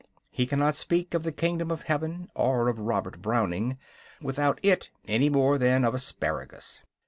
He cannot speak of the Kingdom of Heaven or of Robert Browning without it any more than of asparagus.